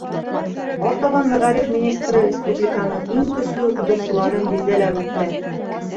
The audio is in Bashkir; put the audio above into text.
Артабан мәғариф министры республиканың иң көслө уҡытыусыларын билдәләп үтте.